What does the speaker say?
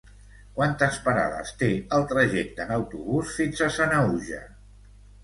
Quantes parades té el trajecte en autobús fins a Sanaüja?